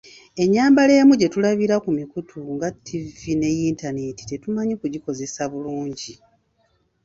Ennyambala emu gye tulabira ku mikutu nga ttivi ne yintaneeti tetumanyi kugikozesa bulungi.